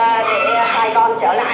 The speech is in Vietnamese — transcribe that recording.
để sài gòn trở lại bình thường nha